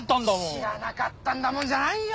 知らなかったんだもんじゃないよ。